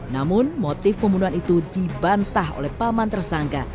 namun motif pembunuhan itu dibantah oleh paman tersangka